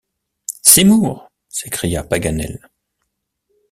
Seymour! s’écria Paganel.